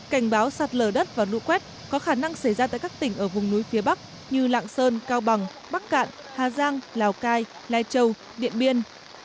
cảnh báo sạt lở đất và lũ quét có khả năng xảy ra tại các tỉnh ở vùng núi phía bắc như lạng sơn cao bằng bắc cạn hà giang lào cai lai châu điện biên